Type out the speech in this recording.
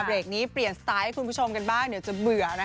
เบรกนี้เปลี่ยนสไตล์ให้คุณผู้ชมกันบ้างเดี๋ยวจะเบื่อนะคะ